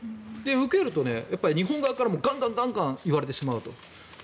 受けると、日本側からガンガン、ガンガン言われてしまうと。